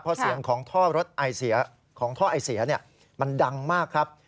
เพราะเสียงของท่อรถไอเสียมันดังมากครับ